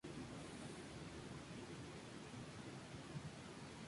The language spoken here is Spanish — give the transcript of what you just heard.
Es hijo de Tony Donnelly y de Chrissie Wickham, una coreógrafa y actriz.